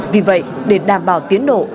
vì vậy để đảm bảo tiến độ